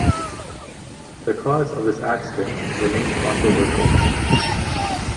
The cause of this accident remains controversial.